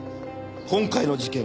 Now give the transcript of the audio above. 今回の事件